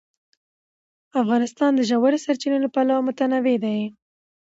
افغانستان د ژورې سرچینې له پلوه متنوع دی.